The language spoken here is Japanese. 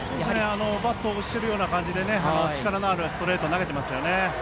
バットを押し切るような感じで力のあるストレートを投げていますね。